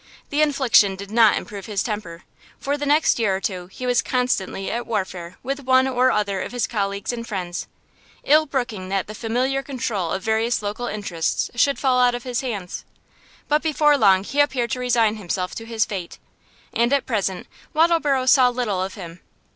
The infliction did not improve his temper; for the next year or two he was constantly at warfare with one or other of his colleagues and friends, ill brooking that the familiar control of various local interests should fall out of his hands. But before long he appeared to resign himself to his fate, and at present Wattleborough saw little of him.